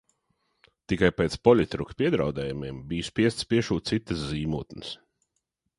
Tikai pēc poļitruka piedraudējumiem biju spiests piešūt citas zīmotnes.